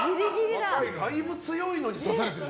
だいぶ強いのに刺されてる。